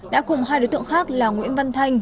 đã cùng hai đối tượng khác là nguyễn văn thanh